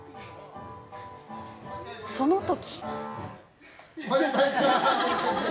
その時。